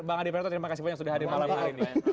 bang adi prato terima kasih banyak sudah hadir malam hari ini